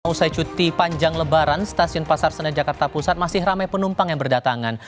usai cuti panjang lebaran stasiun pasar senen jakarta pusat masih ramai penumpang yang berdatangan